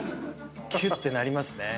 キュッ！ってなりますね。